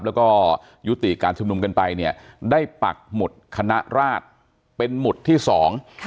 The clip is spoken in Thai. แล้วก็ยุติการชุมนุมกันไปเนี่ยได้ปักหมุดคณะราชเป็นหมุดที่สองค่ะ